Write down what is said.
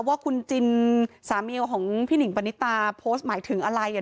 ว่าคุณจินสามีของพี่หนิงปณิตาโพสต์หมายถึงอะไร